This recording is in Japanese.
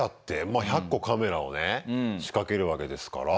まあ１００個カメラをね仕掛けるわけですから。